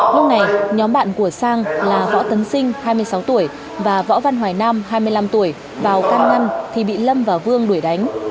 lúc này nhóm bạn của sang là võ tấn sinh hai mươi sáu tuổi và võ văn hoài nam hai mươi năm tuổi vào can ngăn thì bị lâm và vương đuổi đánh